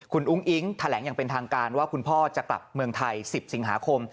คุณอุ้งอิ๊งแถลงอย่างเป็นทางการว่าคุณพ่อจะกลับเมืองไทย๑๐สิงหาคม